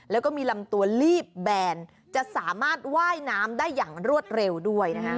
แล้วก็มีลำตัวลีบแบนจะสามารถว่ายน้ำได้อย่างรวดเร็วด้วยนะคะ